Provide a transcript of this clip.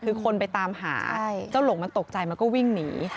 คือคนไปตามหาเจ้าหลงมันตกใจมันก็วิ่งหนี